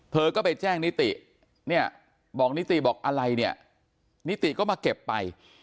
เธอก็ไปแจ้งนิติเนี่ยบอกนิติบอกอะไรเนี่ยนิติก็มาเก็บไป